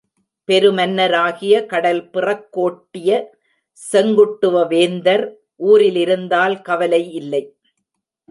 பெரு மன்னராகிய கடல் பிறக்கோட்டிய செங்குட்டுவ வேந்தர் ஊரிலிருந்தால் கவலை இல்லை.